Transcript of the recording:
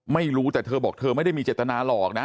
ไม่รู้แต่เธอบอกเธอไม่ได้มีเจตนาหรอกนะ